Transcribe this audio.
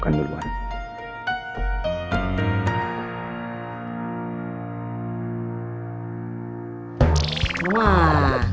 saya sudah siapkan duluan